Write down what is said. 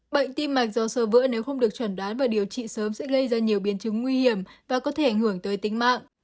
bệnh tim mạch do sơ vỡ nếu không được chuẩn đoán và điều trị sớm sẽ gây ra nhiều biến chứng nguy hiểm và có thể ảnh hưởng tới tính mạng